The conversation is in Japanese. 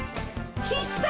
必殺！